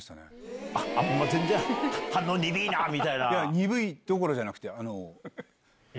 鈍いどころじゃなくて。